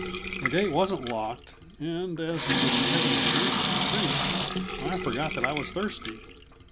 The gate wasn't locked, and as for taking a drink at the creek, I forgot that I was thirsty.